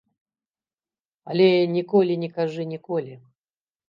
Але ніколі не кажы ніколі.